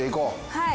はい！